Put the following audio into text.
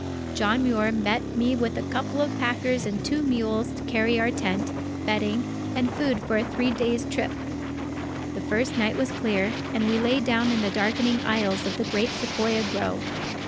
John Muir met me with a couple of packers and two mules to carry our tent, bedding, and food for a three days' trip. The first night was clear, and we lay down in the darkening aisles of the great Sequoia grove.